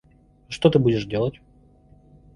Что ты будешь делать?